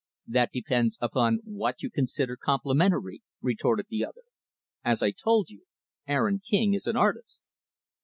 "That depends upon what you consider complimentary," retorted the other. "As I told you Aaron King is an artist."